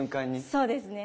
そうですね。